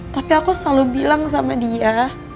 tapi aku selalu bilang sama dia